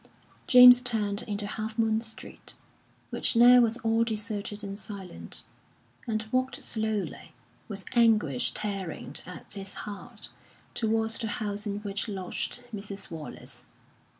James turned into Half Moon Street, which now was all deserted and silent, and walked slowly, with anguish tearing at his heart, towards the house in which lodged Mrs. Wallace.